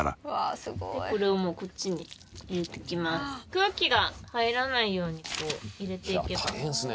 空気が入らないようにこう入れていけば。